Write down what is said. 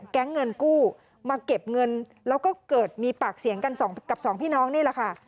แก๊งเงินกู้มาเก็บเงินแล้วก็เกิดมีปากเสียงกันสองกับสองพี่น้องนี่แหละค่ะ